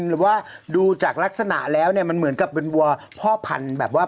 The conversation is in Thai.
หรือว่าดูจากลักษณะแล้วเนี่ยมันเหมือนกับเป็นวัวพ่อพันธุ์แบบว่า